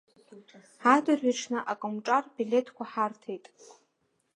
Адырҩаҽны акомҿар билеҭқәа ҳарҭеит.